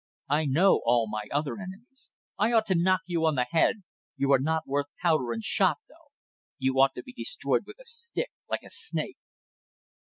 I know all my other enemies. I ought to knock you on the head. You are not worth powder and shot though. You ought to be destroyed with a stick like a snake."